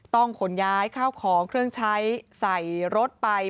ขนย้ายข้าวของเครื่องใช้ใส่รถไป